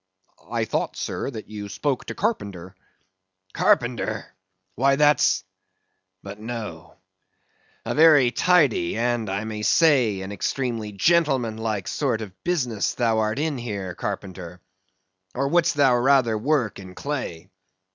I thought, sir, that you spoke to carpenter. Carpenter? why that's—but no;—a very tidy, and, I may say, an extremely gentlemanlike sort of business thou art in here, carpenter;—or would'st thou rather work in clay?